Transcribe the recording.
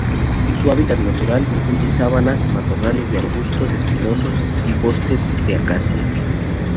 Su hábitat natural incluye sabanas, matorrales de arbustos espinosos y bosques de acacia.